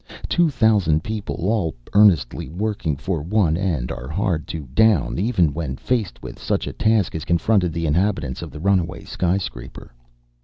Two thousand people all earnestly working for one end are hard to down even when faced with such a task as confronted the inhabitants of the runaway skyscraper.